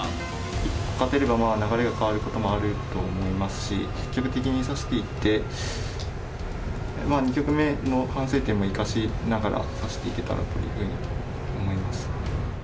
１つ勝てれば、流れが変わることもあると思いますし、積極的に指していって、２局目の反省点も生かしながら指していけたらというふうに思います。